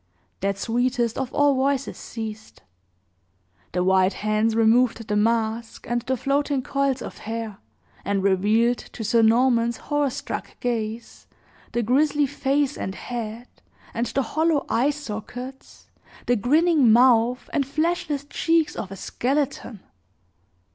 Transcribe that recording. That sweetest of all voices ceased. The white hands removed the mask, and the floating coils of hair, and revealed, to Sir Norman's horror struck gaze, the grisly face and head, and the hollow eye sockets, the grinning mouth, and fleshless cheeks of a skeleton!